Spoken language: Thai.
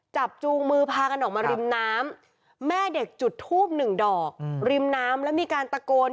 จูงมือพากันออกมาริมน้ำแม่เด็กจุดทูบหนึ่งดอกริมน้ำแล้วมีการตะโกน